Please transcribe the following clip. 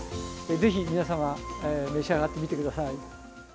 ぜひ皆様召し上がってみてください。